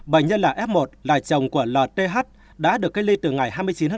bệnh nhân là f một là chồng của lth đã được cách ly từ ngày hai mươi chín tám